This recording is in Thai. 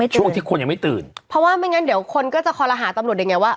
ช่วงที่คนยังไม่ตื่นเพราะว่าไม่งั้นเดี๋ยวคนก็จะคอลหาตำรวจได้ไงว่า